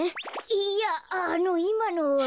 いやあのいまのは。